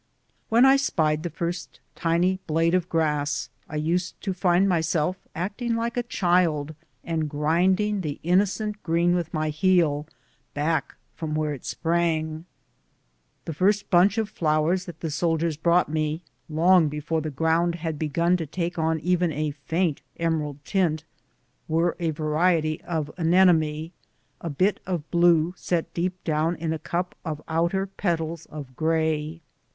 When I spied the first tiny blade of grass, I used to find myself acting like a child and grinding the inno cent green with my heel, back from where it sprang. The first bunch of flowers that the soldiers brought me, long before the ground had begun to take on even a faint emerald tint, were a variety of anemone, a bit of blue set deep down in a cup of outer petals of gray.